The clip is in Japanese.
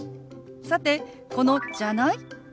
さてこの「じゃない？」。